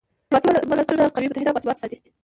خپلواکي ملتونه قوي، متحد او باثباته ساتي.